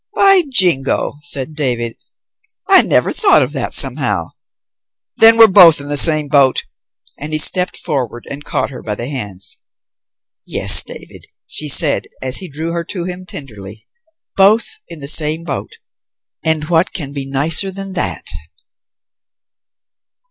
"By Jingo," said David, "I never thought of that, somehow. Then we're both in the same boat!" And he stepped forward and caught her by the hands. "Yes, David," she said, as he drew her to him tenderly, "both in the same boat. And what can be nicer than that?"